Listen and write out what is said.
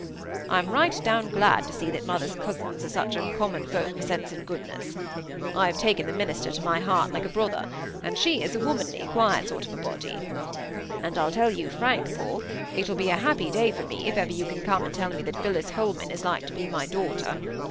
I'm right down glad to see that mother's cousins are such uncommon folk for sense and goodness. I have taken the minister to my heart like a brother; and she is a womanly quiet sort of a body. And I'll tell you frank, Paul, it will be a happy day for me if ever you can come and tell me that Phillis Holman is like to be my daughter.